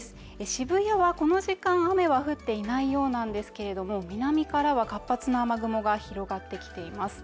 渋谷はこの時間雨は降っていないようですが南からは、活発な雨雲が広がってきています。